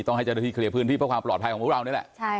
ตอนนี้ต้องเคลียรฟื้นพระความปลอดภัยของพวกเรานี่แหละ